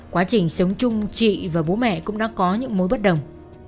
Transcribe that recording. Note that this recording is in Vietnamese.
quá trình sống chung chị và bố mẹ cũng đã có những mối bất đồng